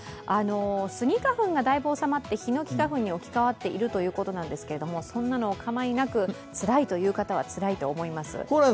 スギ花粉がだいぶおさまってひのき花粉に置き換わっているということですがそんなのお構いなくつらいという方はつらいと思います。